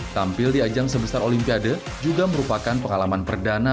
tampil di ajang sebesar olimpiade juga merupakan pengalaman perdana